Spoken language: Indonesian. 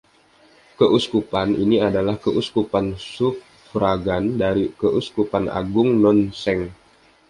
Keuskupan ini adalah keuskupan suffragan dari Keuskupan Agung Nonseng.